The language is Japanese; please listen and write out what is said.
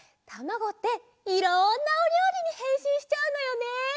たまごっていろんなおりょうりにへんしんしちゃうのよね！